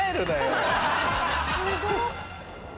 すごっ。